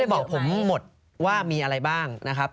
เขาไม่ได้บอกผมหมดว่ามีอะไรบ้างนะครับ